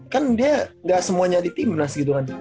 kan dia gak semuanya di timnas gitu kan